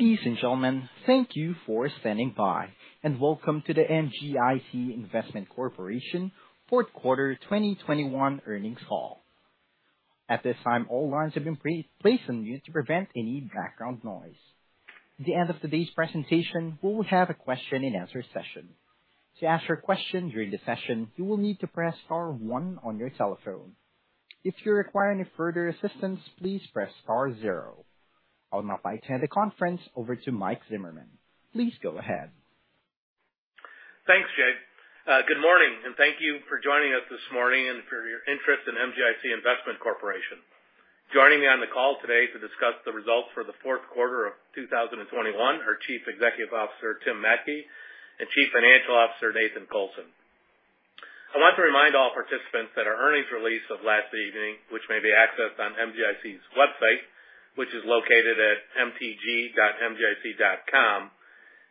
Ladies and gentlemen, thank you for standing by and welcome to the MGIC Investment Corporation Q4 2021 Earnings Call. At this time, all lines have been pre-placed on mute to prevent any background noise. At the end of today's presentation, we will have a question-and-answer session. To ask your question during the session, you will need to press star one on your telephone. If you require any further assistance, please press star zero. I'll now turn the conference over to Michael Zimmerman. Please go ahead. Thanks, Jay. Good morning and thank you for joining us this morning and for your interest in MGIC Investment Corporation. Joining me on the call today to discuss the results for the Q4 of 2021 are Chief Executive Officer, Tim Mattke, and Chief Financial Officer, Nathan Colson. I want to remind all participants that our earnings release of last evening, which may be accessed on MGIC's website, which is located at mtg.mgic.com,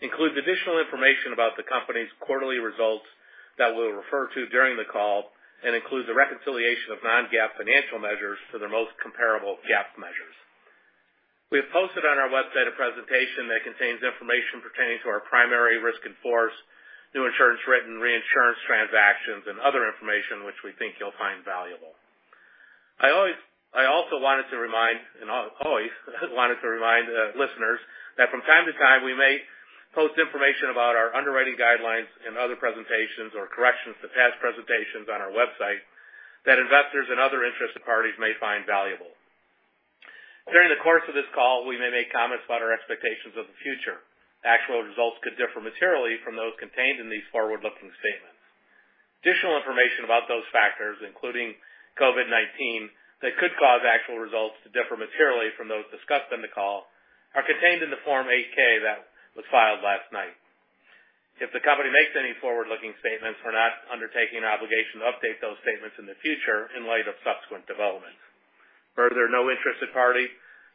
includes additional information about the company's quarterly results that we'll refer to during the call, and includes a reconciliation of non-GAAP financial measures to their most comparable GAAP measures. We have posted on our website a presentation that contains information pertaining to our primary risk in force, new insurance written reinsurance transactions, and other information which we think you'll find valuable. I also wanted to remind listeners that from time to time we may post information about our underwriting guidelines in other presentations or corrections to past presentations on our website that investors and other interested parties may find valuable. During the course of this call, we may make comments about our expectations of the future. Actual results could differ materially from those contained in these forward-looking statements. Additional information about those factors, including COVID-19, that could cause actual results to differ materially from those discussed on the call, are contained in the Form 8-K that was filed last night. If the company makes any forward-looking statements, we're not undertaking an obligation to update those statements in the future in light of subsequent developments. Further, no interested party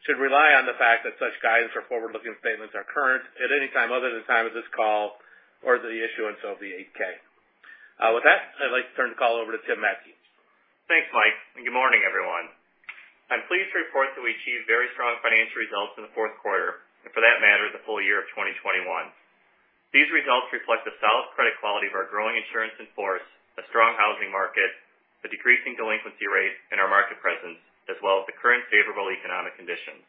should rely on the fact that such guidance or forward-looking statements are current at any time other than the time of this call or the issuance of the 8-K. With that, I'd like to turn the call over to Tim Mattke. Thanks, Mike, and good morning, everyone. I'm pleased to report that we achieved very strong financial results in the Q4, and for that matter, the full year of 2021. These results reflect the solid credit quality of our growing insurance in force, a strong housing market, a decreasing delinquency rate in our market presence, as well as the current favorable economic conditions.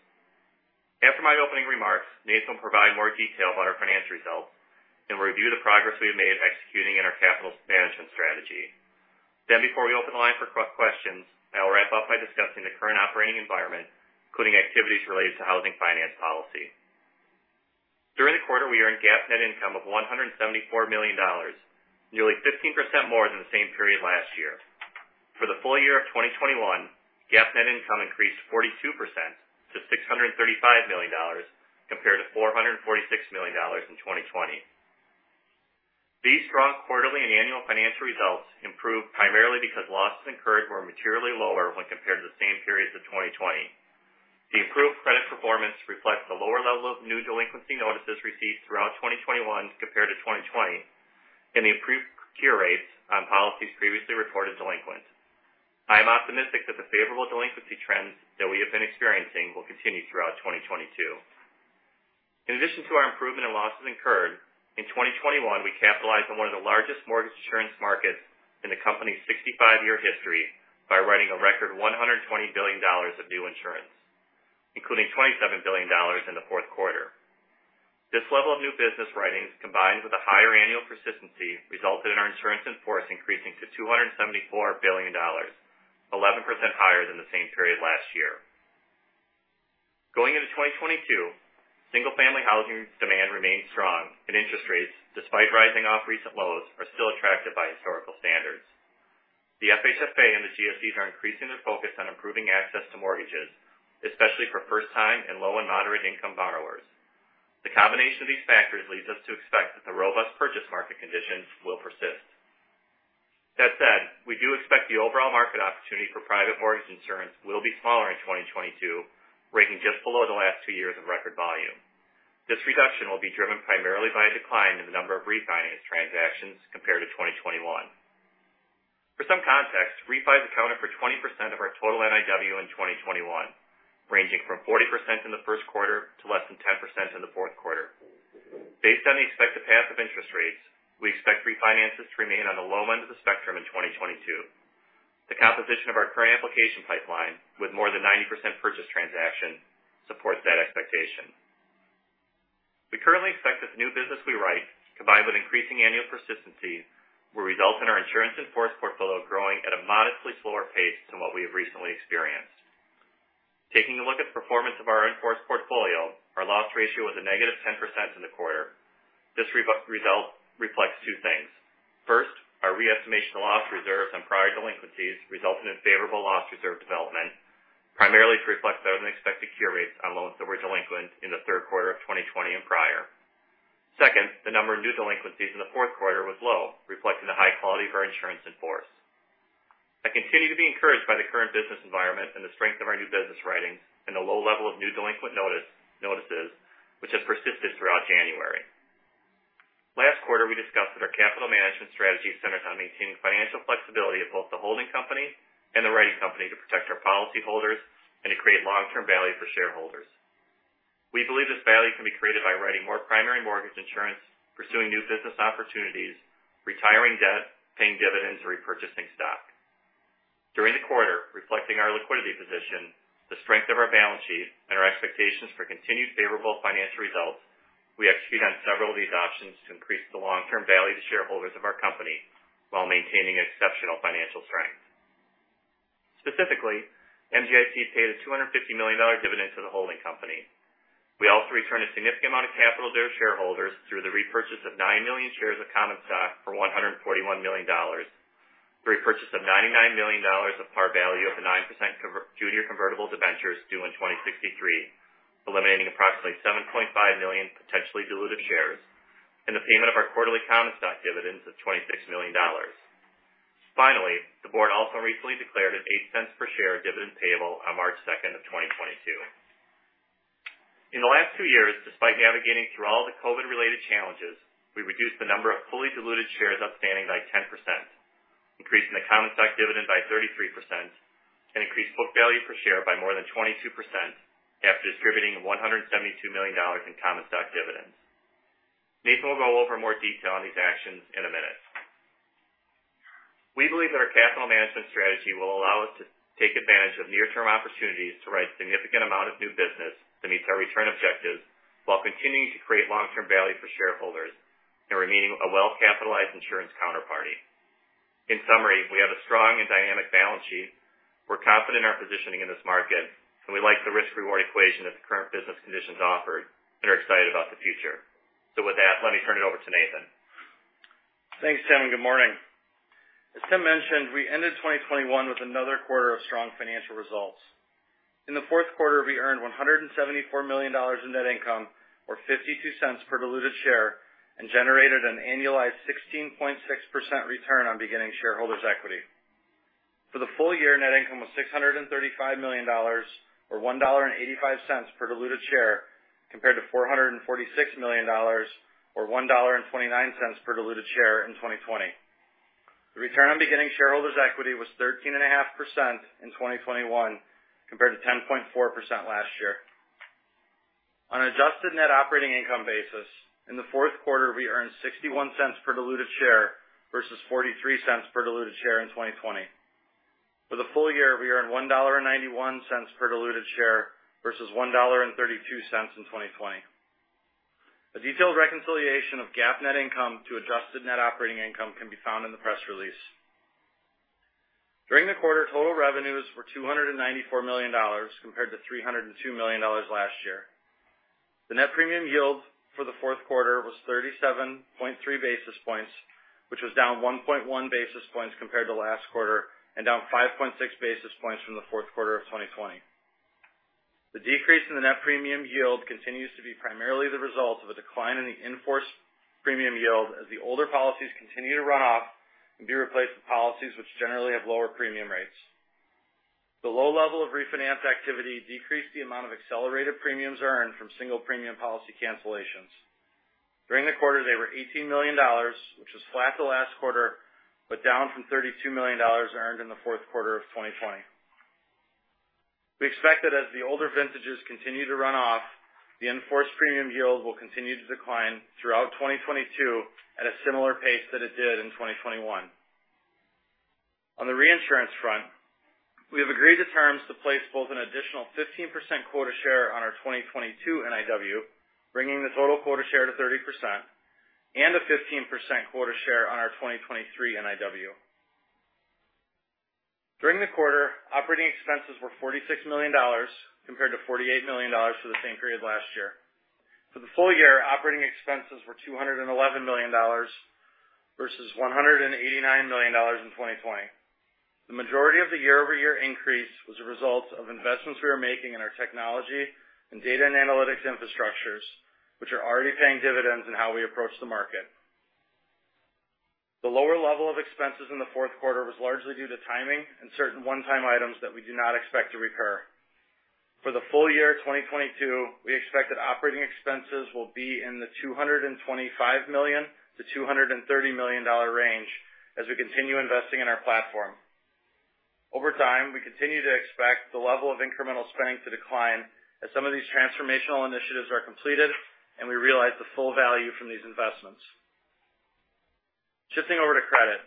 After my opening remarks, Nathan will provide more detail about our financial results and review the progress we have made executing in our capital management strategy. Before we open the line for questions, I will wrap up by discussing the current operating environment, including activities related to housing finance policy. During the quarter, we earned GAAP net income of $174 million, nearly 15% more than the same period last year. For the full year of 2021, GAAP net income increased 42% to $635 million, compared to $446 million in 2020. These strong quarterly and annual financial results improved primarily because losses incurred were materially lower when compared to the same periods of 2020. The improved credit performance reflects the lower level of new delinquency notices received throughout 2021 compared to 2020 and the improved cure rates on policies previously reported delinquent. I am optimistic that the favorable delinquency trends that we have been experiencing will continue throughout 2022. In addition to our improvement in losses incurred, in 2021, we capitalized on one of the largest mortgage insurance markets in the company's 65-year history by writing a record $120 billion of new insurance, including $27 billion in the Q4. This level of new business writings, combined with a higher annual persistency, resulted in our insurance in force increasing to $274 billion, 11% higher than the same period last year. Going into 2022, single-family housing demand remains strong, and interest rates, despite rising off recent lows, are still attractive by historical standards. The FHFA and the GSEs are increasing their focus on improving access to mortgages, especially for first time and low and moderate-income borrowers. The combination of these factors leads us to expect that the robust purchase market conditions will persist. That said, we do expect the overall market opportunity for private mortgage insurance will be smaller in 2022, ranking just below the last two years of record volume. This reduction will be driven primarily by a decline in the number of refinance transactions compared to 2021. For some context, refis accounted for 20% of our total NIW in 2021, ranging from 40% in the Q1 to less than 10% in the Q4. Based on the expected path of interest rates, we expect refinances to remain on the low end of the spectrum in 2022. The composition of our current application pipeline, with more than 90% purchase transaction, supports that expectation. We currently expect that the new business we write, combined with increasing annual persistency, will result in our insurance in force portfolio growing at a modestly slower pace than what we have recently experienced. Taking a look at the performance of our in-force portfolio. Our loss ratio was a negative 10% in the quarter. This result reflects two things. First, our re-estimation of loss reserves and prior delinquencies resulted in favorable loss reserve development, primarily to reflect better-than-expected cure rates on loans that were delinquent in the Q3 of 2020 and prior. Second, the number of new delinquencies in the Q4 was low, reflecting the high quality of our insurance in force. I continue to be encouraged by the current business environment and the strength of our new business writings and the low level of new delinquency notices, which has persisted throughout January. In the quarter, we discussed that our capital management strategy centered on maintaining financial flexibility of both the holding company and the writing company to protect our policy holders and to create long-term value for shareholders. We believe this value can be created by writing more primary mortgage insurance, pursuing new business opportunities, retiring debt, paying dividends, or repurchasing stock. During the quarter, reflecting our liquidity position, the strength of our balance sheet, and our expectations for continued favorable financial results, we execute on several of these options to increase the long-term value to shareholders of our company while maintaining exceptional financial strength. Specifically, MGIC paid a $250 million dividend to the holding company. We also returned a significant amount of capital to our shareholders through the repurchase of 9 million shares of common stock for $141 million, the repurchase of $99 million of par value of the 9% junior convertible debentures due in 2063, eliminating approximately 7.5 million potentially dilutive shares, and the payment of our quarterly common stock dividends of $26 million. Finally, the board also recently declared an $0.08 per share dividend payable on March 2, 2022. In the last two years, despite navigating through all the COVID-related challenges, we reduced the number of fully diluted shares outstanding by 10%, increasing the common stock dividend by 33%, and increased book value per share by more than 22% after distributing $172 million in common stock dividends. Nathan will go over more detail on these actions in a minute. We believe that our capital management strategy will allow us to take advantage of near-term opportunities to write significant amount of new business that meets our return objectives while continuing to create long-term value for shareholders and remaining a well-capitalized insurance counterparty. In summary, we have a strong and dynamic balance sheet. We're confident in our positioning in this market, and we like the risk/reward equation that the current business conditions offer and are excited about the future. With that, let me turn it over to Nathan. Thanks, Tim, and good morning. As Tim mentioned, we ended 2021 with another quarter of strong financial results. In the Q4, we earned $174 million in net income, or $0.52 per diluted share, and generated an annualized 16.6% return on beginning shareholders' equity. For the full year, net income was $635 million or $1.85 per diluted share, compared to $446 million or $1.29 per diluted share in 2020. The return on beginning shareholders' equity was 13.5% in 2021, compared to 10.4% last year. On adjusted net operating income basis, in the Q4, we earned $0.61 per diluted share versus $0.43 per diluted share in 2020. For the full year, we earned $1.91 per diluted share versus $1.32 in 2020. A detailed reconciliation of GAAP net income to adjusted net operating income can be found in the press release. During the quarter, total revenues were $294 million, compared to $302 million last year. The net premium yield for the Q4 was 37.3 basis points, which was down 1.1 basis points compared to last quarter and down 5.6 basis points from the Q4 of 2020. The decrease in the net premium yield continues to be primarily the result of a decline in the in-force premium yield as the older policies continue to run off and be replaced with policies which generally have lower premium rates. The low level of refinance activity decreased the amount of accelerated premiums earned from single premium policy cancellations. During the quarter, they were $18 million, which was flat the last quarter, but down from $32 million earned in the Q4 of 2020. We expect that as the older vintages continue to run off, the in-force premium yield will continue to decline throughout 2022 at a similar pace that it did in 2021. On the reinsurance front, we have agreed to terms to place both an additional 15% quota share on our 2022 NIW, bringing the total quota share to 30% and a 15% quota share on our 2023 NIW. During the quarter, operating expenses were $46 million compared to $48 million for the same period last year. For the full year, operating expenses were $211 million versus $189 million in 2020. The majority of the year-over-year increase was a result of investments we are making in our technology and data and analytics infrastructures, which are already paying dividends in how we approach the market. The lower level of expenses in the Q4 was largely due to timing and certain one-time items that we do not expect to recur. For the full year 2022, we expect that operating expenses will be in the $225 to 230 million range as we continue investing in our platform. Over time, we continue to expect the level of incremental spending to decline as some of these transformational initiatives are completed and we realize the full value from these investments. Shifting over to credit.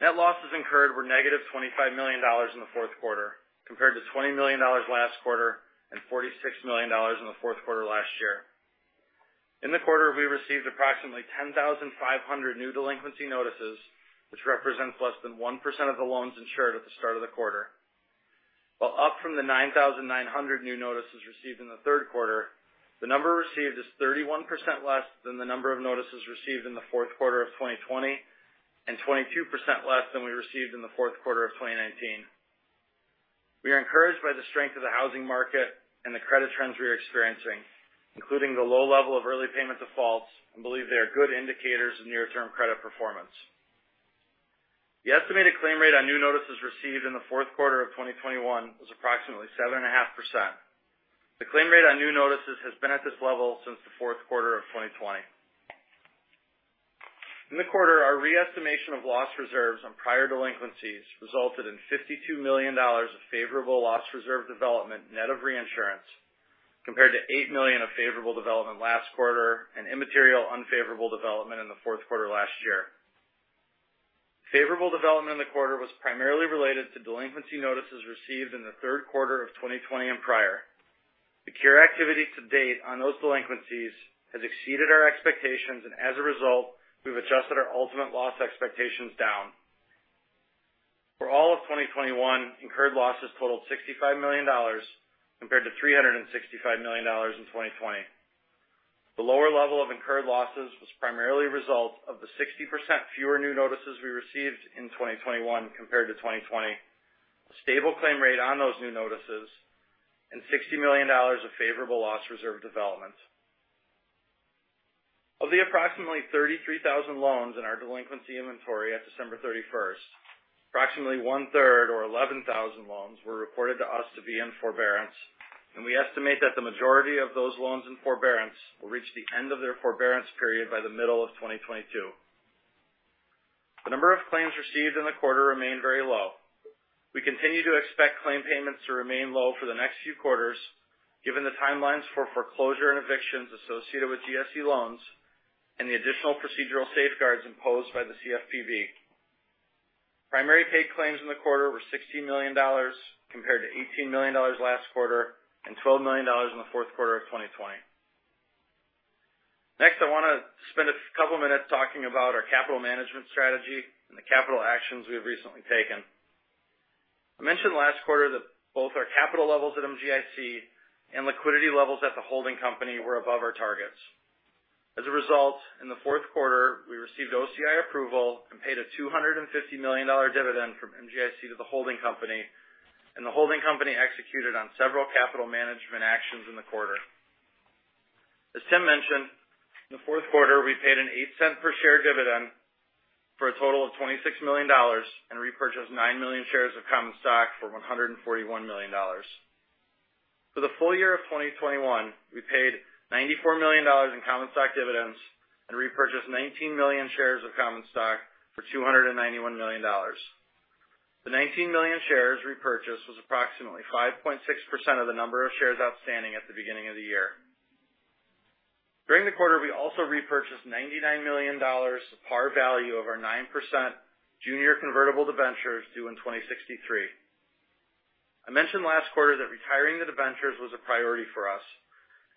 Net losses incurred were negative $25 million in the Q4, compared to $20 million last quarter and $46 million in the Q4 last year. In the quarter, we received approximately 10,500 new delinquency notices, which represents less than 1% of the loans insured at the start of the quarter. While up from the 9,900 new notices received in the Q3, the number received is 31% less than the number of notices received in the Q4 of 2020 and 22% less than we received in the Q4 of 2019. We are encouraged by the strength of the housing market and the credit trends we are experiencing, including the low level of early payment defaults, and believe they are good indicators of near-term credit performance. The estimated claim rate on new notices received in the Q4 of 2021 was approximately 7.5%. The claim rate on new notices has been at this level since the Q4 of 2020. In the quarter, our re-estimation of loss reserves on prior delinquencies resulted in $52 million of favorable loss reserve development net of reinsurance, compared to $8 million of favorable development last quarter and immaterial unfavorable development in the Q4 last year. Favorable development in the quarter was primarily related to delinquency notices received in the Q3 of 2020 and prior. The cure activity to date on those delinquencies has exceeded our expectations, and as a result, we've adjusted our ultimate loss expectations down. For all of 2021, incurred losses totaled $65 million compared to $365 million in 2020. The lower level of incurred losses was primarily a result of the 60% fewer new notices we received in 2021 compared to 2020, a stable claim rate on those new notices, and $60 million of favorable loss reserve development. Of the approximately 33,000 loans in our delinquency inventory at December 31, approximately one-third or 11,000 loans were reported to us to be in forbearance, and we estimate that the majority of those loans in forbearance will reach the end of their forbearance period by the middle of 2022. The number of claims received in the quarter remained very low. We continue to expect claim payments to remain low for the next few quarters, given the timelines for foreclosure and evictions associated with GSE loans and the additional procedural safeguards imposed by the CFPB. Primary paid claims in the quarter were $16 million, compared to $18 million last quarter and $12 million in the Q4 of 2020. Next, I wanna spend a couple minutes talking about our capital management strategy and the capital actions we have recently taken. I mentioned last quarter that both our capital levels at MGIC and liquidity levels at the holding company were above our targets. As a result, in the Q4, we received OCI approval and paid a $250 million dividend from MGIC to the holding company, and the holding company executed on several capital management actions in the quarter. As Tim mentioned, in the Q4, we paid a $0.08 per share dividend for a total of $26 million and repurchased 9 million shares of common stock for $141 million. For the full year of 2021, we paid $94 million in common stock dividends and repurchased 19 million shares of common stock for $291 million. The 19 million shares repurchase was approximately 5.6% of the number of shares outstanding at the beginning of the year. During the quarter, we also repurchased $99 million par value of our 9% junior convertible debentures due in 2063. I mentioned last quarter that retiring the debentures was a priority for us,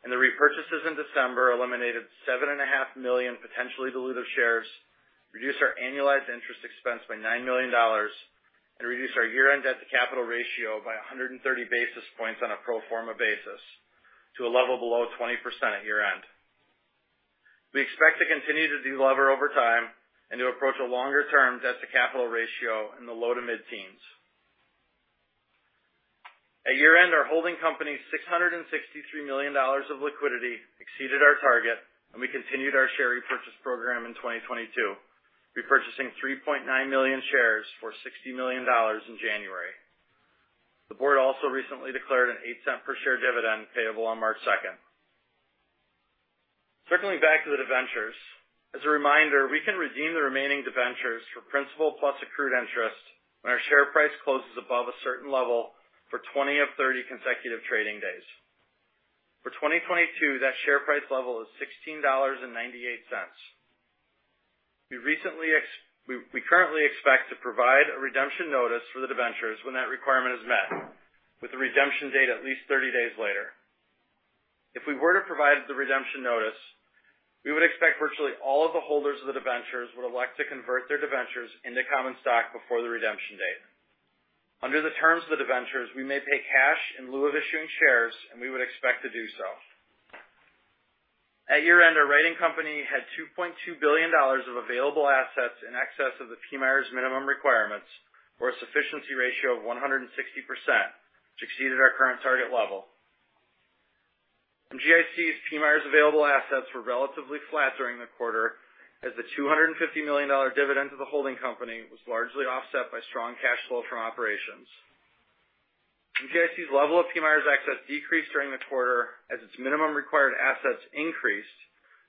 and the repurchases in December eliminated 7.5 million potentially dilutive shares, reduced our annualized interest expense by $9 million, and reduced our year-end debt to capital ratio by 130 basis points on a pro forma basis to a level below 20% at year-end. We expect to continue to delever over time and to approach a longer-term debt to capital ratio in the low to mid-teens. At year-end, our holding company's $663 million of liquidity exceeded our target, and we continued our share repurchase program in 2022, repurchasing 3.9 million shares for $60 million in January. The board also recently declared a $0.08 per share dividend payable on March 2. Circling back to the debentures, as a reminder, we can redeem the remaining debentures for principal plus accrued interest when our share price closes above a certain level for 20 of 30 consecutive trading days. For 2022, that share price level is $16.98. We currently expect to provide a redemption notice for the debentures when that requirement is met, with the redemption date at least 30 days later. If we were to provide the redemption notice, we would expect virtually all of the holders of the debentures would elect to convert their debentures into common stock before the redemption date. Under the terms of the debentures, we may pay cash in lieu of issuing shares, and we would expect to do so. At year-end, our writing company had $2.2 billion of available assets in excess of the PMIERs minimum requirements or a sufficiency ratio of 160%, which exceeded our current target level. MGIC's PMIERs available assets were relatively flat during the quarter as the $250 million dividend to the holding company was largely offset by strong cash flow from operations. MGIC's level of PMIERs assets decreased during the quarter as its minimum required assets increased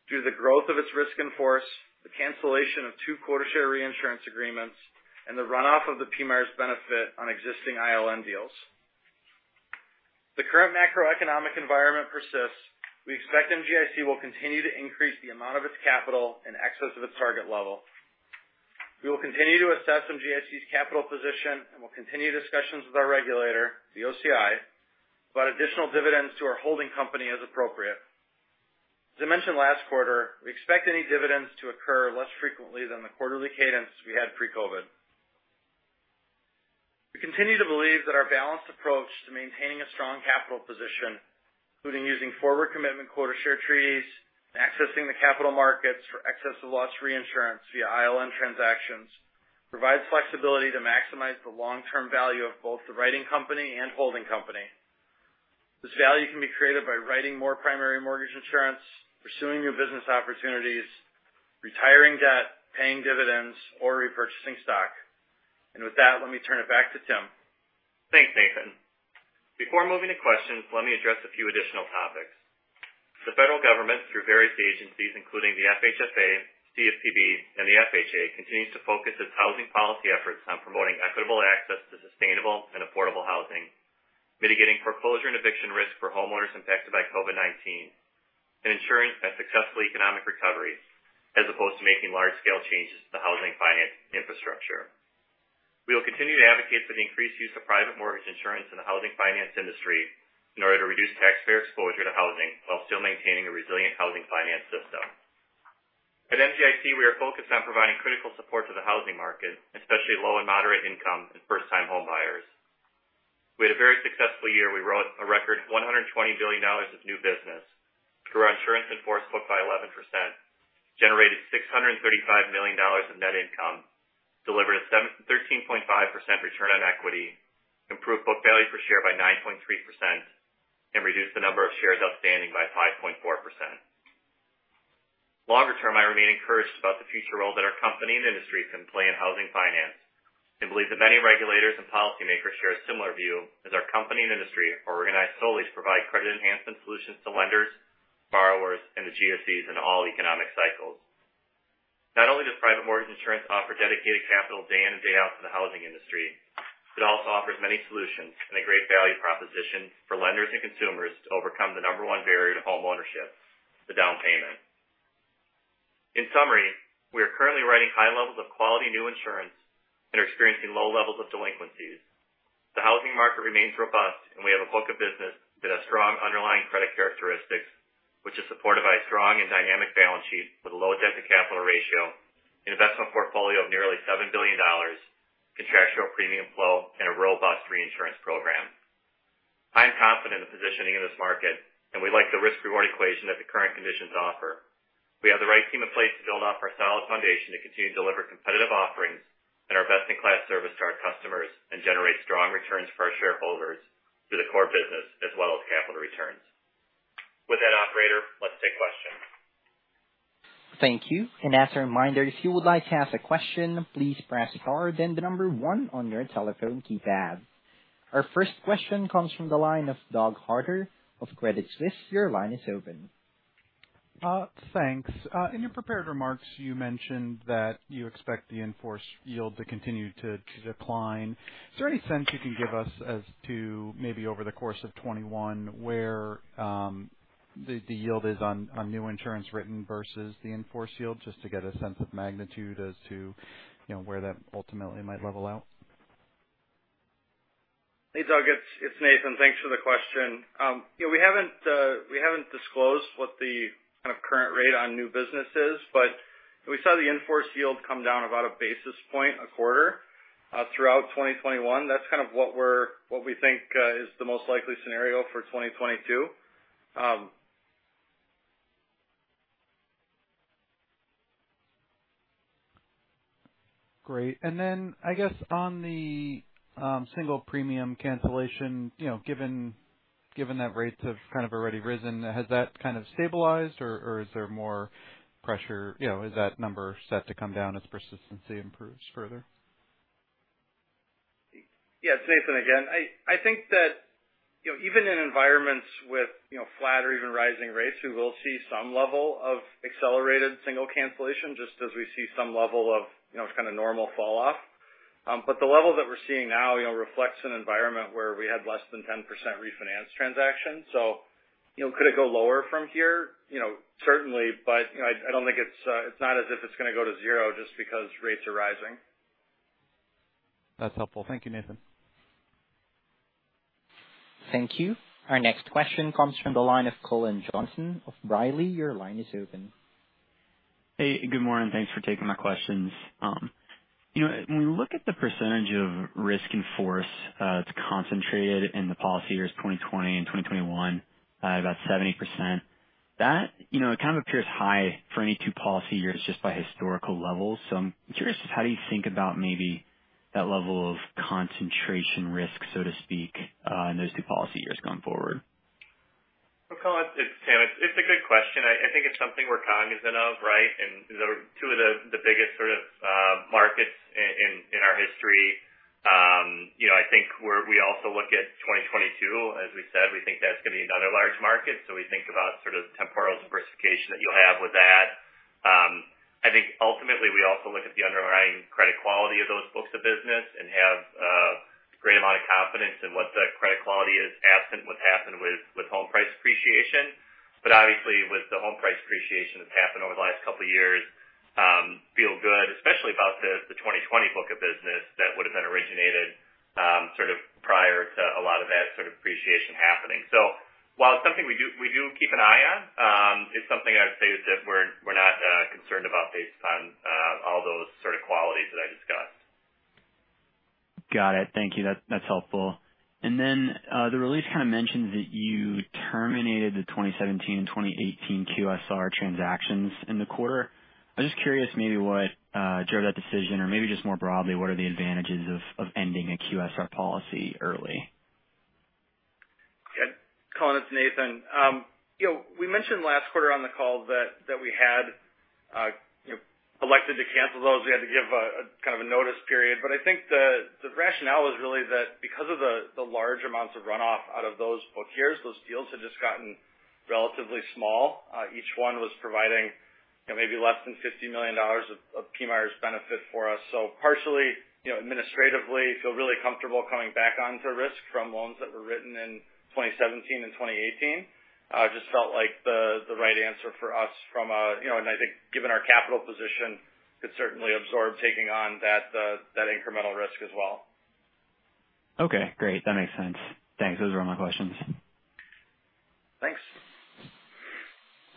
due to the growth of its risk in force, the cancellation of two quota share reinsurance agreements, and the runoff of the PMIERs benefit on existing ILN deals. If the current macroeconomic environment persists, we expect MGIC will continue to increase the amount of its capital in excess of its target level. We will continue to assess MGIC's capital position, and we'll continue discussions with our regulator, the OCI, about additional dividends to our holding company as appropriate. As I mentioned last quarter, we expect any dividends to occur less frequently than the quarterly cadence we had pre-COVID. We continue to believe that our balanced approach to maintaining a strong capital position, including using forward commitment quota share treaties and accessing the capital markets for excess of loss reinsurance via ILN transactions, provides flexibility to maximize the long-term value of both the writing company and holding company. This value can be created by writing more primary mortgage insurance, pursuing new business opportunities, retiring debt, paying dividends, or repurchasing stock. With that, let me turn it back to Tim. Thanks, Nathan. Before moving to questions, let me address a few additional topics. The federal government, through various agencies, including the FHFA, CFPB, and the FHA, continues to focus its housing policy efforts on promoting equitable access to sustainable and affordable housing, mitigating foreclosure and eviction risk for homeowners impacted by COVID-19, and ensuring a successful economic recovery, as opposed to making large-scale changes to the housing finance infrastructure. We will continue to advocate for the increased use of private mortgage insurance in the housing finance industry in order to reduce taxpayer exposure to housing while still maintaining a resilient housing finance system. At MGIC, we are focused on providing critical support to the housing market, especially low and moderate income and first-time homebuyers. We had a very successful year. We wrote a record $120 billion of new business, grew our insurance-in-force book by 11%, generated $635 million of net income, delivered a 13.5% return on equity, improved book value per share by 9.3%, and reduced the number of shares outstanding by 5.4%. Longer term, I remain encouraged about the future role that our company and industry can play in housing finance and believe that many regulators and policymakers share a similar view as our company and industry are organized solely to provide credit enhancement solutions to lenders, borrowers, and the GSEs in all economic cycles. Not only does private mortgage insurance offer dedicated capital day in and day out to the housing industry, it also offers many solutions and a great value proposition for lenders and consumers to overcome the number one barrier to homeownership, the down payment. In summary, we are currently writing high levels of quality new insurance and are experiencing low levels of delinquencies. The housing market remains robust, and we have a book of business that has strong underlying credit characteristics, which is supported by a strong and dynamic balance sheet with a low debt-to-capital ratio, an investment portfolio of nearly $7 billion, contractual premium flow, and a robust reinsurance program. I am confident in the positioning of this market, and we like the risk/reward equation that the current conditions offer. We have the right team in place to build off our solid foundation to continue to deliver competitive offerings and our best-in-class service to our customers and generate strong returns for our shareholders through the core business as well as capital returns. With that, operator, let's take questions. Thank you. As a reminder, if you would like to ask a question, please press star, then the number one on your telephone keypad. Our first question comes from the line of Douglas Harter of Credit Suisse. Your line is open. Thanks. In your prepared remarks, you mentioned that you expect the in-force yield to continue to decline. Is there any sense you can give us as to maybe over the course of 2021 where the yield is on new insurance written versus the in-force yield, just to get a sense of magnitude as to, you know, where that ultimately might level out? Hey, Doug, it's Nathan. Thanks for the question. You know, we haven't disclosed what the kind of current rate on new business is, but we saw the in-force yield come down about a basis point a quarter throughout 2021. That's kind of what we think is the most likely scenario for 2022. Great. Then I guess on the single premium cancellation, you know, given that rates have kind of already risen, has that kind of stabilized or is there more pressure? You know, is that number set to come down as persistency improves further? Yeah, it's Nathan again. I think that, you know, even in environments with, you know, flat or even rising rates, we will see some level of accelerated single cancellation, just as we see some level of, you know, kind of normal falloff. The level that we're seeing now, you know, reflects an environment where we had less than 10% refinance transactions. You know, could it go lower from here? You know, certainly, but, you know, I don't think. It's not as if it's gonna go to zero just because rates are rising. That's helpful. Thank you, Nathan. Thank you. Our next question comes from the line of Bose George of KBW. Your line is open. Hey, good morning. Thanks for taking my questions. You know, when we look at the percentage of risk in-force, it's concentrated in the policy years 2020 and 2021, about 70%. That, you know, it kind of appears high for any two policy years just by historical levels. I'm curious just how do you think about maybe that level of concentration risk, so to speak, in those two policy years going forward? Well, Colin, it's Tim. It's a good question. I think it's something we're cognizant of, right? The two biggest sort of markets in our history. You know, I think we also look at 2022, as we said. We think that's gonna be another large market. We think about sort of temporal diversification that you'll have with that. I think ultimately, we also look at the underlying credit quality of those books of business and have a great amount of confidence in what the credit quality is absent what's happened with home price appreciation. Obviously, with the home price appreciation that's happened over the last couple of years, we feel good, especially about the 2020 book of business that would have been originated, sort of prior to a lot of that sort of appreciation happening. While it's something we do, we do keep an eye on, it's something I'd say that we're not concerned about based on all those sort of qualities that I discussed. Got it. Thank you. That's helpful. The release kind of mentions that you terminated the 2017 and 2018 QSR transactions in the quarter. I'm just curious maybe what drove that decision or maybe just more broadly, what are the advantages of ending a QSR policy early? It's Nathan. You know, we mentioned last quarter on the call that we had, you know, elected to cancel those. We had to give a kind of notice period. I think the rationale is really that because of the large amounts of runoff out of those book years, those deals had just gotten relatively small. Each one was providing, you know, maybe less than $50 million of PMIERs benefit for us. Partially, you know, administratively feel really comfortable coming back onto risk from loans that were written in 2017 and 2018. Just felt like the right answer for us from a. You know, I think given our capital position, could certainly absorb taking on that incremental risk as well. Okay, great. That makes sense. Thanks. Those were all my questions. Thanks.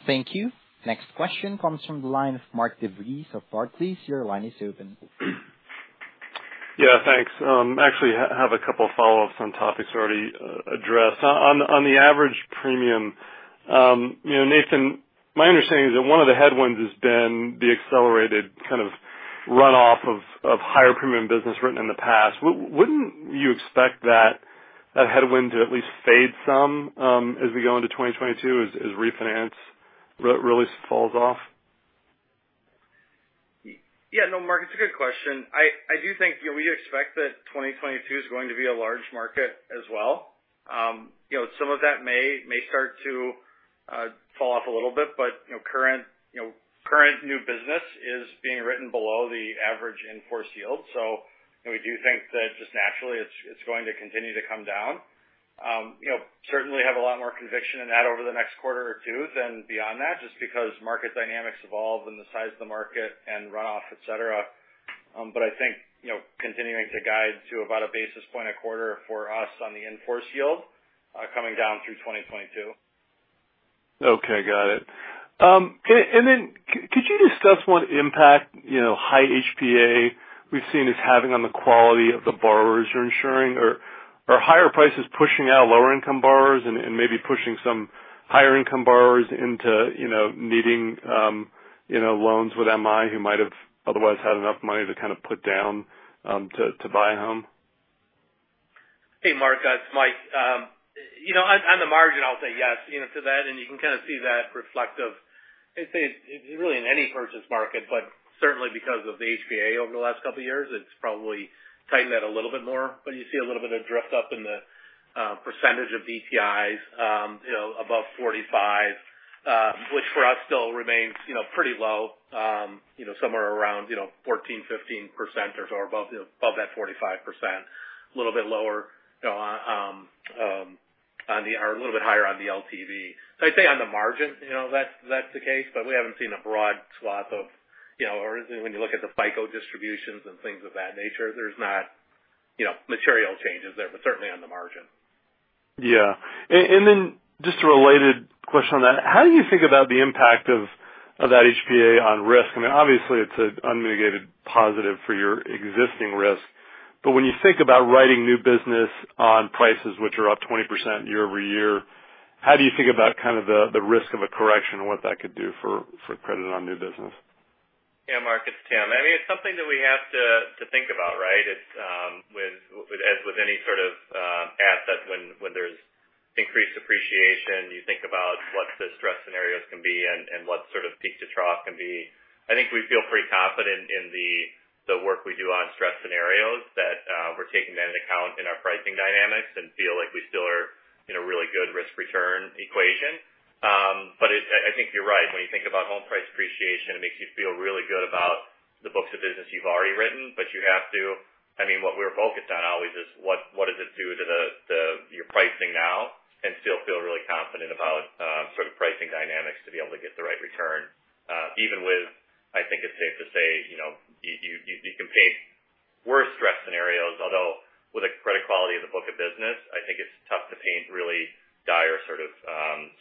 Thank you. Next question comes from the line of Mark DeVries of Barclays. Your line is open. Yeah, thanks. Actually, have a couple of follow-ups on topics already addressed. On the average premium, you know, Nathan, my understanding is that one of the headwinds has been the accelerated kind of runoff of higher premium business written in the past. Wouldn't you expect that headwind to at least fade some, as we go into 2022 as refinance really falls off? Yeah, no, Mark, it's a good question. I do think, you know, we expect that 2022 is going to be a large market as well. Some of that may start to fall off a little bit. Current new business is being written below the average in-force yield. We do think that just naturally it's going to continue to come down. Certainly have a lot more conviction in that over the next quarter or two than beyond that, just because market dynamics evolve and the size of the market and runoff, et cetera. I think, you know, continuing to guide to about a basis point a quarter for us on the in-force yield coming down through 2022. Okay, got it. Could you discuss what impact, you know, high HPA we've seen is having on the quality of the borrowers you're insuring or higher prices pushing out lower income borrowers and maybe pushing some higher income borrowers into, you know, needing, you know, loans with MI who might have otherwise had enough money to kind of put down to buy a home? Hey, Mark, it's Mike. You know, on the margin, I'll say yes, you know, to that. You can kind of see that reflected. I'd say it's really in any purchase market, but certainly because of the HPA over the last couple of years, it's probably tightened that a little bit more. You see a little bit of drift up in the percentage of DTIs, you know, above 45, which for us still remains, you know, pretty low, you know, somewhere around, you know, 14, 15% or so above that 45%. A little bit lower, you know, or a little bit higher on the LTV. I'd say on the margin, you know, that's the case, but we haven't seen a broad swath of, you know. When you look at the FICO distributions and things of that nature, there's not, you know, material changes there, but certainly on the margin. Just a related question on that. How do you think about the impact of that HPA on risk? I mean, obviously it's an unmitigated positive for your existing risk. When you think about writing new business on prices which are up 20% year-over-year, how do you think about kind of the risk of a correction and what that could do for credit on new business? Yeah, Mark, it's Tim. I mean, it's something that we have to think about, right? It's with, as with any sort of asset, when there's increased appreciation, you think about what the stress scenarios can be and what sort of peak to trough can be. I think we feel pretty confident in the work we do on stress scenarios that we're taking that into account in our pricing dynamics and feel like we still are in a really good risk-return equation. I think you're right. When you think about home price appreciation, it makes you feel really good about the books of business you've already written. You have to... I mean, what we're focused on always is what does it do to your pricing now and still feel really confident about sort of pricing dynamics to be able to get the right return. Even with, I think it's safe to say, you know, you can paint worse stress scenarios. Although, with the credit quality of the book of business, I think it's tough to paint really dire sort of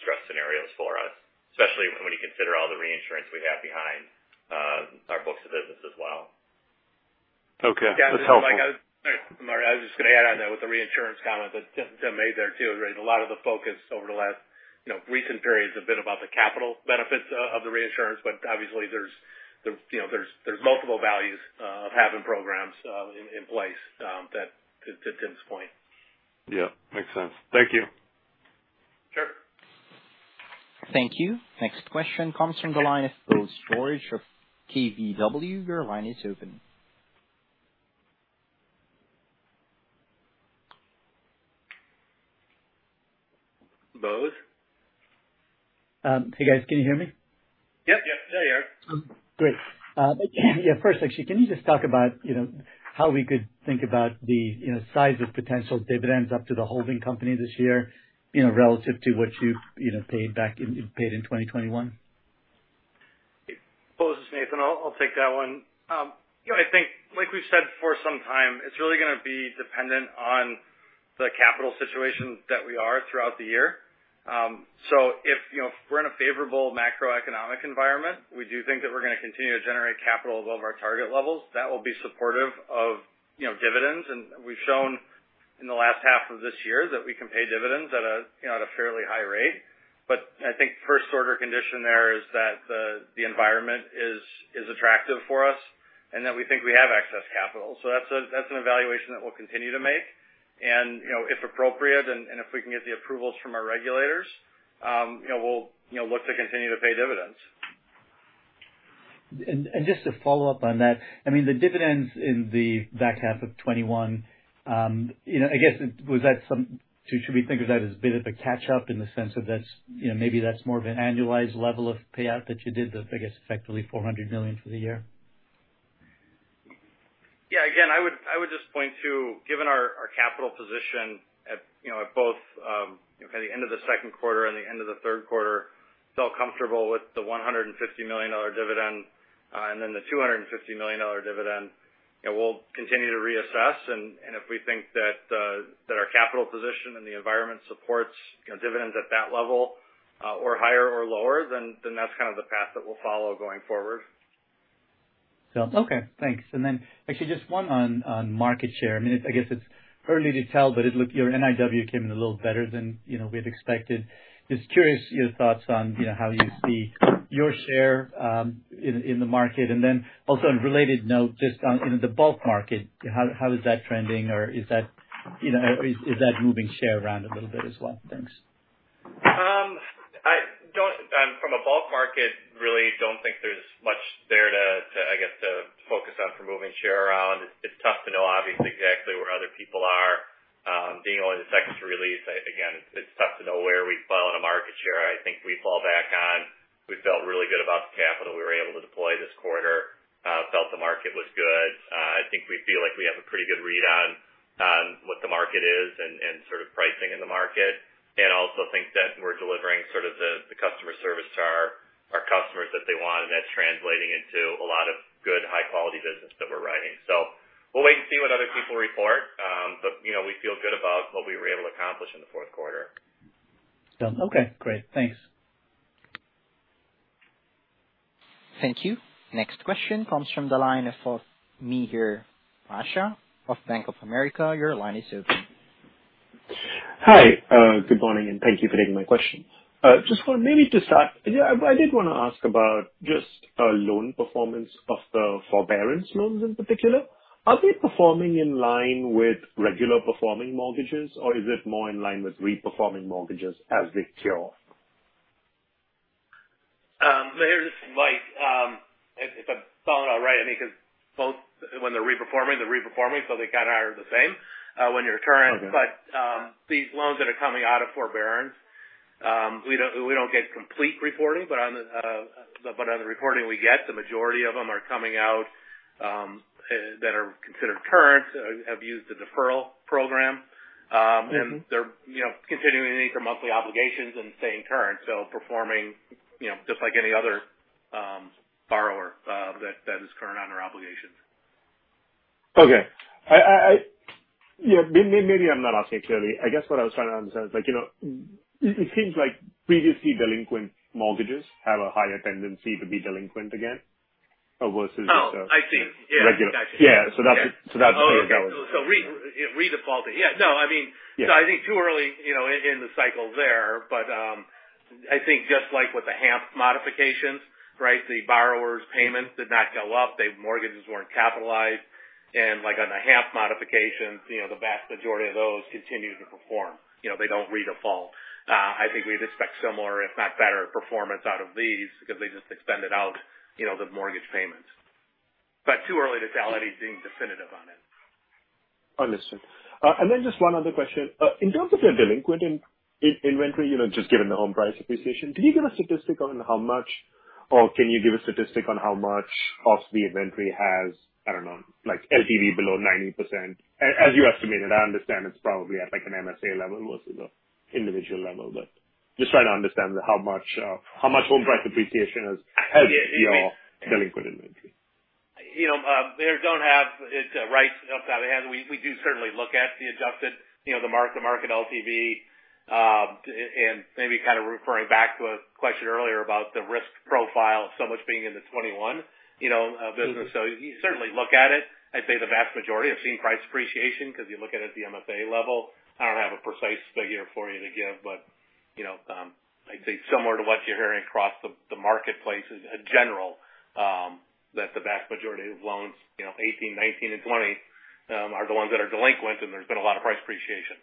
stress scenarios for us, especially when you consider all the reinsurance we have behind our books of business as well. Okay. That's helpful. Yeah. Mark, I was just gonna add on that with the reinsurance comment that Tim made there too, right? A lot of the focus over the last, you know, recent period's a bit about the capital benefits of the reinsurance, but obviously there's, you know, multiple values of having programs in place that to Tim's point. Yeah. Makes sense. Thank you. Sure. Thank you. Next question comes from the line of Bose George of KBW. Your line is open. Bose? Hey, guys. Can you hear me? Yep. Yep. There you are. Great. Yeah, first, actually, can you just talk about, you know, how we could think about the, you know, size of potential dividends up to the holding company this year, you know, relative to what you know, paid in 2021? Bose, this is Nathan. I'll take that one. You know, I think like we've said for some time, it's really gonna be dependent on the capital situation that we are throughout the year. If, you know, if we're in a favorable macroeconomic environment, we do think that we're gonna continue to generate capital above our target levels. That will be supportive of, you know, dividends. We've shown in the last half of this year that we can pay dividends at a, you know, at a fairly high rate. I think first order condition there is that the environment is attractive for us and that we think we have excess capital. So that's an evaluation that we'll continue to make. You know, if appropriate and if we can get the approvals from our regulators, you know, we'll look to continue to pay dividends. Just to follow up on that, I mean, the dividends in the back half of 2021, you know, I guess, should we think of that as a bit of a catch-up in the sense that that's, you know, maybe that's more of an annualized level of payout that you did, I guess effectively $400 million for the year? I would just point to, given our capital position at both, you know, kind of the end of the Q2 and the end of the Q3, felt comfortable with the $150 million dividend, and then the $250 million dividend. You know, we'll continue to reassess and if we think that our capital position and the environment supports, you know, dividends at that level, or higher or lower, then that's kind of the path that we'll follow going forward. Okay, thanks. Actually just one on market share. I mean, I guess it's early to tell, but it looks like your NIW came in a little better than, you know, we had expected. Just curious your thoughts on, you know, how you see your share in the market. Also on a related note, just on the bulk market, how is that trending or is that, you know, is that moving share around a little bit as well? Thanks. From a bulk market, I really don't think there's much there to, I guess, to focus on for moving share around. It's tough to know obviously exactly where other people are. Being only the second to release, again, it's tough to know where we fall in a market share. I think we fall back on, we felt really good about the capital we were able to deploy this quarter. Felt the market was good. I think we feel like we have a pretty good read on what the market is and sort of pricing in the market. And also think that we're delivering sort of the customer service to our customers that they want, and that's translating into a lot of good, high-quality business that we're writing. We'll wait and see what other people report. You know, we feel good about what we were able to accomplish in the Q4. Okay, great. Thanks. Thank you. Next question comes from the line of Mihir Bhatia of Bank of America. Your line is open. Hi, good morning, and thank you for taking my question. Just for maybe to start, yeah, I did wanna ask about just loan performance of the forbearance loans in particular. Are they performing in line with regular performing mortgages, or is it more in line with re-performing mortgages as they cure? This is Mike. If I follow it all right, I mean, 'cause both when they're re-performing, so they kinda are the same, when you're current. Okay. These loans that are coming out of forbearance, we don't get complete reporting. On the reporting we get, the majority of them are coming out that are considered current have used the deferral program. Mm-hmm. They're, you know, continuing to make their monthly obligations and staying current. Performing, you know, just like any other borrower that is current on their obligations. Okay. Yeah, maybe I'm not asking it clearly. I guess what I was trying to understand is like, you know, it seems like previously delinquent mortgages have a higher tendency to be delinquent again versus- Oh, I see. Yeah. Yeah. I see. Yeah. That's it. That's where I was going. Redefaulting. Yeah. No, I mean. Yeah. I think it's too early, you know, in the cycle there, but I think just like with the HAMP modifications, right, the borrower's payments did not go up. Their mortgages weren't capitalized. Like on the HAMP modifications, you know, the vast majority of those continue to perform. You know, they don't redefault. I think we'd expect similar, if not better, performance out of these because they just extended out, you know, the mortgage payments. Too early to tell anything definitive on it. Understood. Just one other question. In terms of your delinquent inventory, you know, just given the home price appreciation, can you give a statistic on how much, or can you give a statistic on how much of the inventory has, I don't know, like LTV below 90%? As you estimated, I understand it's probably at like an MSA level versus an individual level. Just trying to understand how much home price appreciation has helped your delinquent inventory. You know, we don't have it right off the top of our head. We do certainly look at the adjusted, you know, the mark-to-market LTV. Maybe kind of referring back to a question earlier about the risk profile of so much being in the 2021, you know, business. You certainly look at it. I'd say the vast majority have seen price appreciation because you look at it at the MSA level. I don't have a precise figure for you to give, but, you know, I'd say similar to what you're hearing across the marketplace in general, that the vast majority of loans, you know, 2018, 2019 and 2020, are the ones that are delinquent and there's been a lot of price appreciation.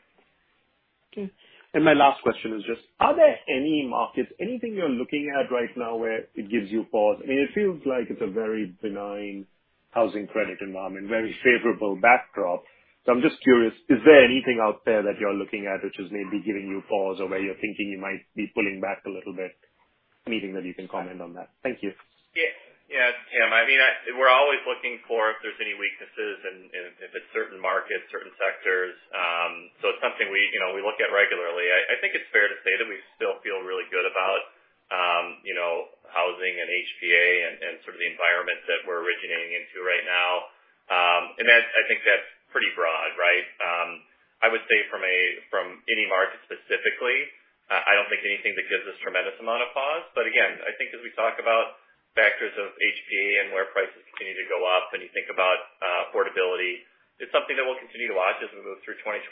Okay. My last question is just, are there any markets, anything you're looking at right now where it gives you pause? I mean, it feels like it's a very benign housing credit environment, very favorable backdrop. I'm just curious, is there anything out there that you're looking at which is maybe giving you pause or where you're thinking you might be pulling back a little bit? Anything that you can comment on that. Thank you. Yeah. Yeah, Tim. I mean, we're always looking for if there's any weaknesses in, if it's certain markets, certain sectors. So it's something we, you know, look at regularly. I think it's fair to say that we still feel really good about, you know, housing and HPA and sort of the environment that we're originating into right now. And that's I think that's pretty broad, right? I would say from any market specifically, I don't think anything that gives us tremendous amount of pause. Again, I think as we talk about factors of HPA and where prices continue to go up, and you think about affordability. It's something that we'll continue to watch as we move through 2022,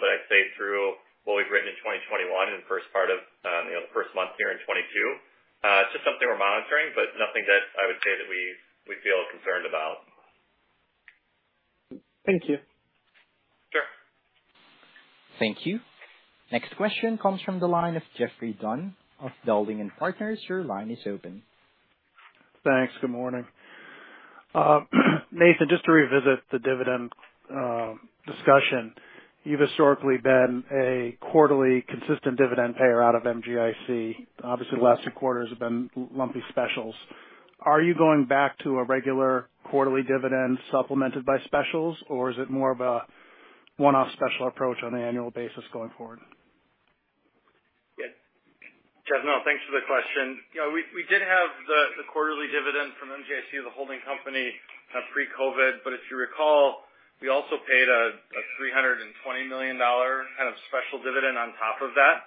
but I'd say through what we've written in 2021 in the first part of the first month here in 2022, it's just something we're monitoring, but nothing that I would say that we feel concerned about. Thank you. Sure. Thank you. Next question comes from the line of Geoffrey Dunn of Dowling & Partners. Your line is open. Thanks. Good morning. Nathan, just to revisit the dividend discussion. You've historically been a quarterly consistent dividend payer out of MGIC. Obviously, the last two quarters have been lumpy specials. Are you going back to a regular quarterly dividend supplemented by specials, or is it more of a one-off special approach on an annual basis going forward? Yeah. Jeffrey, no, thanks for the question. You know, we did have the quarterly dividend from MGIC as a holding company, pre-COVID, but if you recall, we also paid a $320 million kind of special dividend on top of that.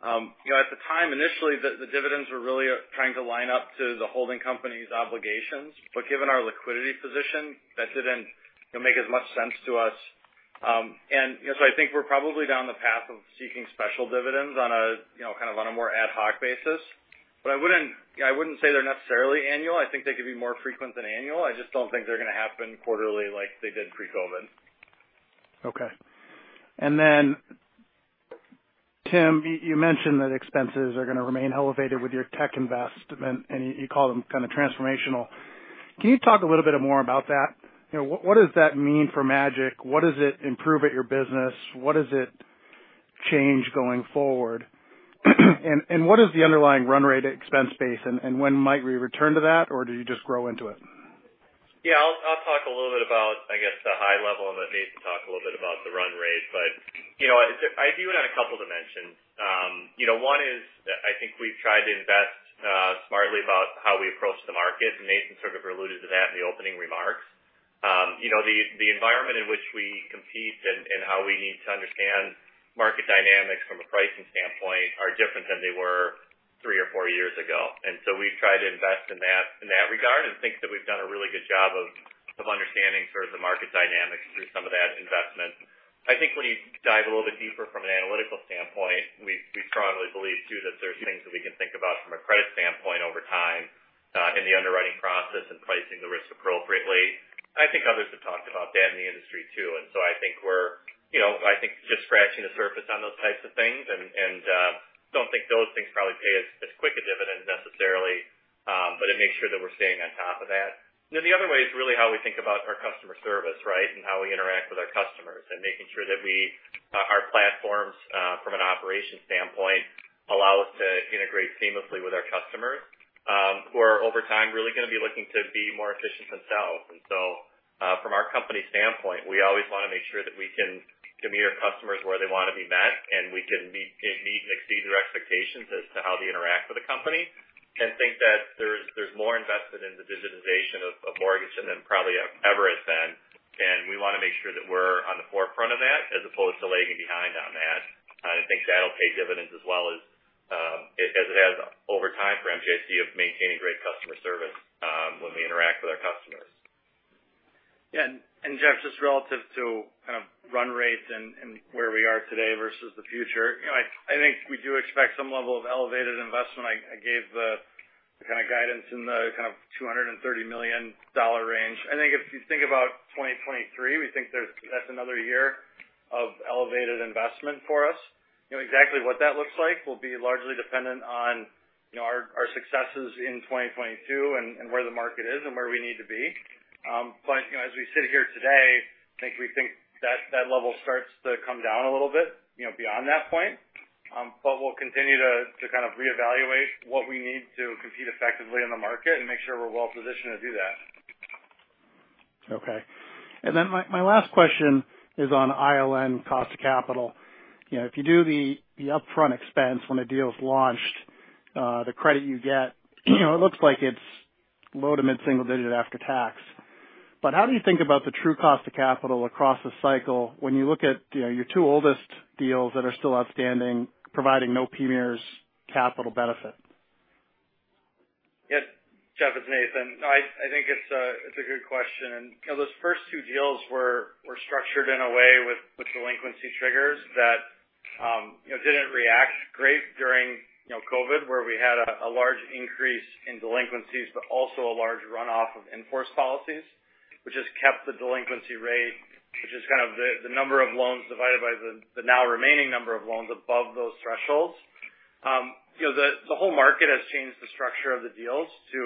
You know, at the time, initially, the dividends were really trying to line up to the holding company's obligations, but given our liquidity position, that didn't, you know, make as much sense to us. You know, I think we're probably down the path of seeking special dividends on a, you know, kind of on a more ad hoc basis. I wouldn't, you know, say they're necessarily annual. I think they could be more frequent than annual. I just don't think they're gonna happen quarterly like they did pre-COVID. Okay. Tim, you mentioned that expenses are gonna remain elevated with your tech investment, and you call them kind of transformational. Can you talk a little bit more about that? You know, what does that mean for MGIC? What does it improve at your business? What does it change going forward? And what is the underlying run rate expense base and when might we return to that, or do you just grow into it? Yeah, I'll talk a little bit about, I guess, the high level, and then Nathan talk a little bit about the run rate. You know, I view it on a couple dimensions. You know, one is that I think we've tried to invest smartly about how we approach the market, and Nathan sort of alluded to that in the opening remarks. You know, the environment in which we compete and how we need to understand market dynamics from a pricing standpoint are different than they were three or four years ago. We've tried to invest in that regard and think that we've done a really good job of understanding sort of the market dynamics through some of that investment. I think when you dive a little bit deeper from an analytical standpoint, we strongly believe, too, that there's things that we can think about from a credit standpoint over time, in the underwriting process and pricing the risk appropriately. I think others have talked about that in the industry, too. I think we're, you know, I think just scratching the surface on those types of things. I don't think those things probably pay as quick a dividend necessarily, but it makes sure that we're staying on top of that. The other way is really how we think about our customer service, right? How we interact with our customers and making sure that we, our platforms, from an operation standpoint, allow us to integrate seamlessly with our customers, who are over time really gonna be looking to be more efficient themselves. From our company standpoint, we always wanna make sure that we can meet our customers where they wanna be met, and we can meet and exceed their expectations as to how they interact with the company. I think that there's more investment in the digitization of mortgage than probably ever has been. We wanna make sure that we're on the forefront of that as opposed to lagging behind on that. I think that'll pay dividends as well as it has over time for MGIC of maintaining great customer service when we interact with our customers. Yeah. Jeff, just relative to kind of run rates and where we are today versus the future. You know, I think we do expect some level of elevated investment. I gave the kind of guidance in the kind of $230 million range. I think if you think about 2023, we think that's another year of elevated investment for us. You know, exactly what that looks like will be largely dependent on you know, our successes in 2022 and where the market is and where we need to be. But you know, as we sit here today, I think we think that that level starts to come down a little bit you know, beyond that point. We'll continue to kind of reevaluate what we need to compete effectively in the market and make sure we're well-positioned to do that. Okay. My last question is on ILN cost of capital. You know, if you do the upfront expense when a deal is launched, the credit you get, you know, it looks like it's low- to mid-single-digit after tax. How do you think about the true cost of capital across the cycle when you look at, you know, your two oldest deals that are still outstanding, providing no PMIERs capital benefit? Yeah. Jeffrey, it's Nathan. I think it's a good question. You know, those first two deals were structured in a way with delinquency triggers that didn't react great during COVID, where we had a large increase in delinquencies, but also a large runoff of in-force policies, which has kept the delinquency rate, which is kind of the number of loans divided by the now remaining number of loans above those thresholds. You know, the whole market has changed the structure of the deals to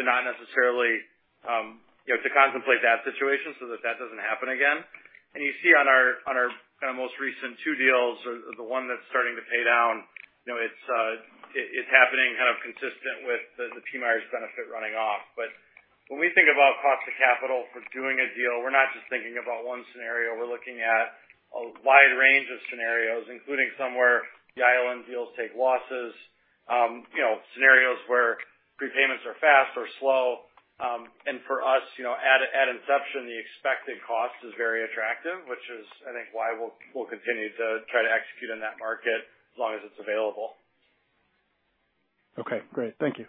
not necessarily contemplate that situation so that doesn't happen again. You see on our kind of most recent two deals, or the one that's starting to pay down, you know, it's happening kind of consistent with the PMIERs benefit running off. When we think about cost of capital for doing a deal, we're not just thinking about one scenario. We're looking at a wide range of scenarios, including some where the ILN deals take losses, you know, scenarios where prepayments are fast or slow. For us, you know, at inception, the expected cost is very attractive, which is, I think, why we'll continue to try to execute in that market as long as it's available. Okay, great. Thank you.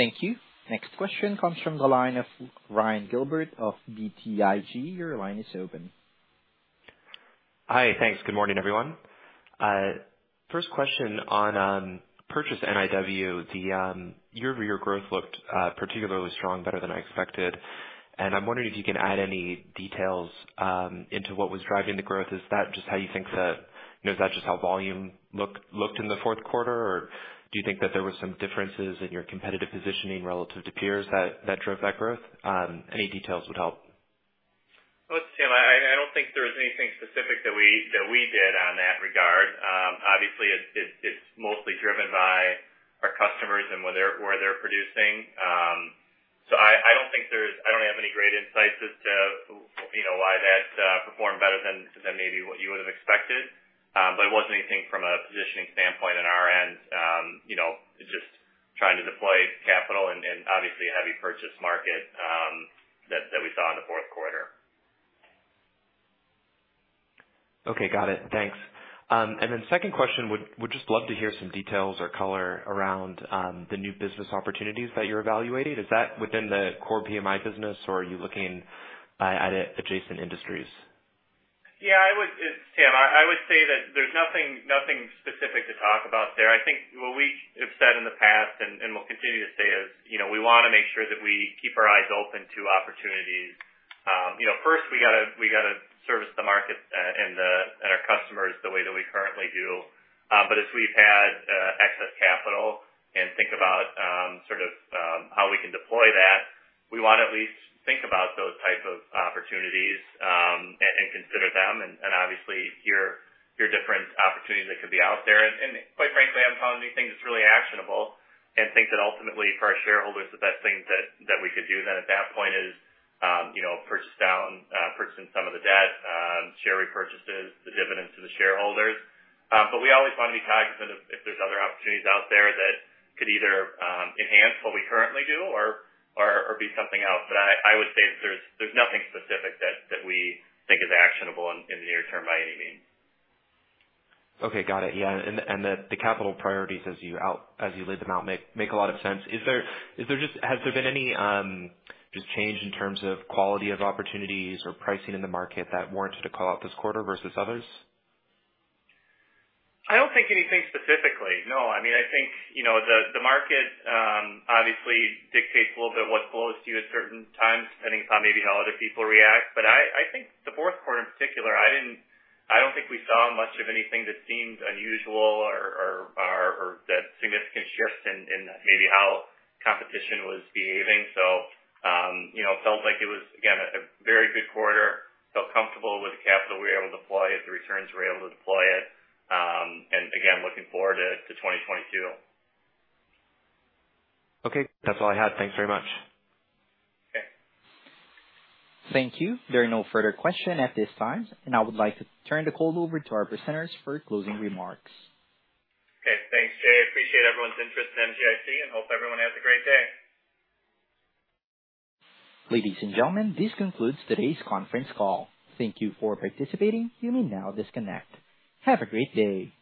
Thank you. Next question comes from the line of Ryan Gilbert of BTIG. Your line is open. Hi. Thanks. Good morning, everyone. First question on purchase NIW, the year-over-year growth looked particularly strong, better than I expected, and I'm wondering if you can add any details into what was driving the growth. Is that just how you think the volume looked in the Q4, or do you think that there was some differences in your competitive positioning relative to peers that drove that growth? Any details would help. Well, listen, I don't think there was anything specific that we did in that regard. Obviously it's mostly driven by our customers and where they're producing. So I don't have any great insights as to, you know, why that performed better than maybe what you would've expected. But it wasn't anything from a positioning standpoint on our end. You know, it's just trying to deploy capital and obviously a heavy purchase market that we saw in the Q4. Okay. Got it. Thanks. Second question, would just love to hear some details or color around the new business opportunities that you're evaluating. Is that within the core PMI business or are you looking at adjacent industries? I would say that there's nothing specific to talk about there. I think what we have said in the past and will continue to say is, you know, we want to make sure that we keep our eyes open to opportunities. You know, first we got to service the market and our customers the way that we currently do. But if we've had excess capital and think about sort of how we can deploy that, we want to at least think about those type of opportunities and consider them and obviously hear different opportunities that could be out there. Quite frankly, we haven't found anything that's really actionable. I think that ultimately for our shareholders, the best thing that we could do then at that point is, you know, purchase some of the debt, share repurchases, the dividends to the shareholders. We always wanna be cognizant if there's other opportunities out there that could either enhance what we currently do or be something else. I would say that there's nothing specific that we think is actionable in the near term by any means. Okay. Got it. Yeah. The capital priorities as you lay them out make a lot of sense. Has there been any just change in terms of quality of opportunities or pricing in the market that warranted a call-out this quarter versus others? I don't think anything specifically, no. I mean, I think, you know, the market obviously dictates a little bit what flows to you at certain times, depending upon maybe how other people react. I think the Q4 in particular, I don't think we saw much of anything that seemed unusual or that significant shift in maybe how competition was behaving. You know, it felt like it was, again, a very good quarter. I felt comfortable with the capital we were able to deploy, the returns we were able to deploy it. Again, looking forward to 2022. Okay. That's all I had. Thanks very much. Okay. Thank you. There are no further questions at this time, and I would like to turn the call over to our presenters for closing remarks. Okay. Thanks, Jay. Appreciate everyone's interest in MGIC and hope everyone has a great day. Ladies and gentlemen, this concludes today's conference call. Thank you for participating. You may now disconnect. Have a great day.